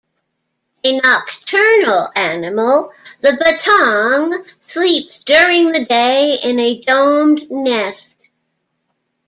A nocturnal animal, the bettong sleeps during the day in a domed nest.